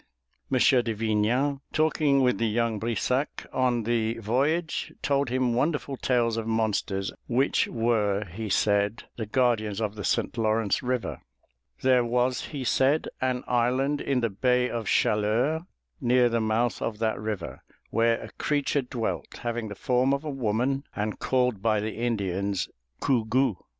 M. de Vignan, talking with the young Brissac on the voyage, told him wonderful tales of monsters which were, he said, the guardians of the St. Lawrence River. There was, he said, an island in the bay of Chaleurs, near the mouth of that river, where a creature dwelt, having the form of a woman and called by the Indians Gougou.